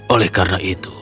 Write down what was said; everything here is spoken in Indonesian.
oleh karena itu